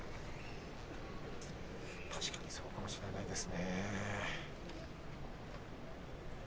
確かにそうかもしれないですね。